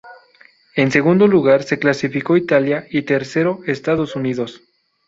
En segundo lugar se clasificó Italia y tercero Estados Unidos.